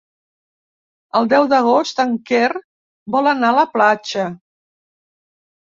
El deu d'agost en Quer vol anar a la platja.